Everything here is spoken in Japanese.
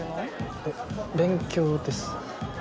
えっ勉強です。